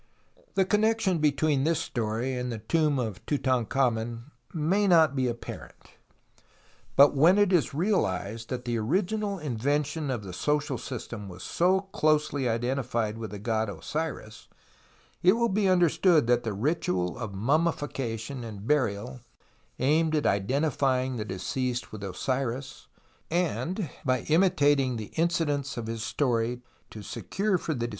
The connection between this story and the tomb of Tutankhamen may not be apparent. But when it is realized that the original in vention of the social system was so closely identified with the god Osiris, it will be understood that the ritual of mummification and burial aimed at identifying the deceased with Osiris, and by imitating the incidents of his story to secure for the deceased a fate Fig.